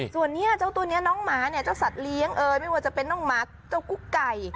ส่วนตัวนี้น้องหมาเจ้าสัตว์เลี้ยงไม่ว่าจะเป็นน้องหมาเจ้ากุ๊กไก่